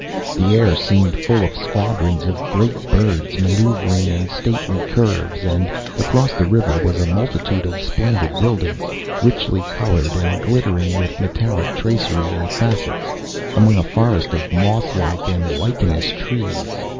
The air seemed full of squadrons of great birds, manœuvring in stately curves; and across the river was a multitude of splendid buildings, richly coloured and glittering with metallic tracery and facets, among a forest of moss like and lichenous trees.